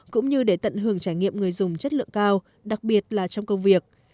cũng như để tận hưởng trải nghiệm người dùng chất lượng cao đặc biệt là trong công việc